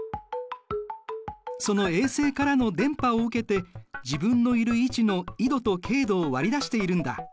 その衛星からの電波を受けて自分のいる位置の緯度と経度を割り出しているんだ。